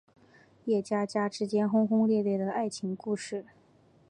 叶家家之间轰轰烈烈的爱情故事。